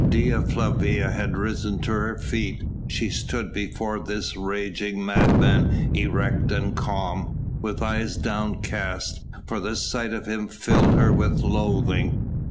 Dea Flavia had risen to her feet, she stood before this raging madman erect and calm, with eyes downcast, for the sight of him filled her with loathing.